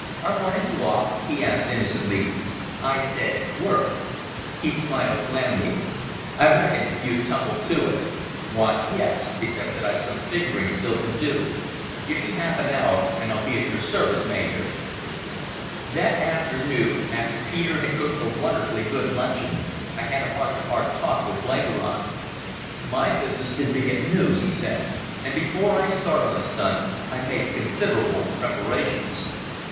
"Our morning's walk?" he asked innocently. "I said 'work'." He smiled blandly. "I reckoned you'd tumble to it. Why, yes, except that I've some figuring still to do. Give me half an hour and I'll be at your service, Major." That afternoon, after Peter had cooked a wonderfully good luncheon, I had a heart to heart talk with Blenkiron. "My business is to get noos," he said; "and before I start on a stunt I make considerable preparations.